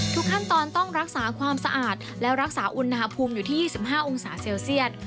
ขั้นตอนต้องรักษาความสะอาดและรักษาอุณหภูมิอยู่ที่๒๕องศาเซลเซียต